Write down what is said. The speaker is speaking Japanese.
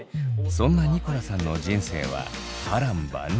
そんなニコラさんの人生は波乱万丈。